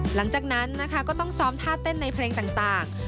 หลังจากนั้นนะคะก็ต้องซ้อมท่าเต้นในเพลงต่าง